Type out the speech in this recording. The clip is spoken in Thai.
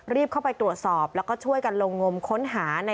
เข้าไปตรวจสอบแล้วก็ช่วยกันลงงมค้นหา